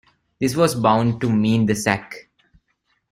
This was bound to mean the sack.